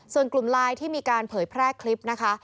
ส่วนกลุ่มไลน์ที่มีการเผยแพร่คลิปนะคะ